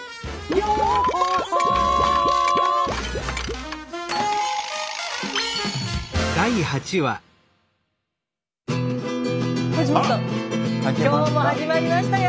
ようこそ今日も始まりましたよ。